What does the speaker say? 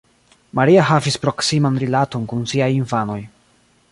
Maria havis proksiman rilaton kun siaj infanoj.